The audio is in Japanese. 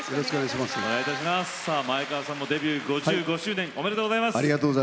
前川さんもデビュー５５周年おめでとうございます。